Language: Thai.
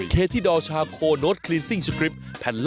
เท่านั้น